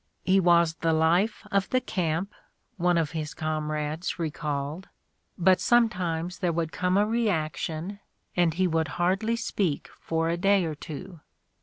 "He was the life of the camp," one of his comrades recalled, "but sometimes there would come a reaction and he would hardly speak for a day or two."